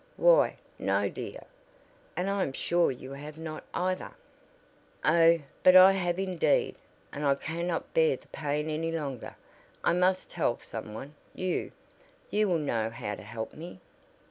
"Why, no, dear, and I am sure you have not, either." "Oh, but I have indeed! I can not bear the pain any longer. I must tell someone you. You will know how to help me."